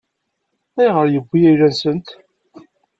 Ayɣer i yewwi ayla-nsent?